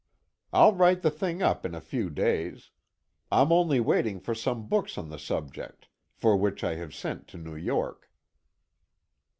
I'll write the thing up in a few days. I'm only waiting for some books on the subject, for which I have sent to New York."